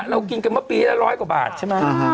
เรากินครั้งพอปีแล้วร้อยกว่าบาทใช่มั้ยอ่าฮะ